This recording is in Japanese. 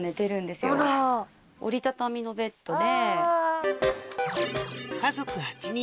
折り畳みのベッドで。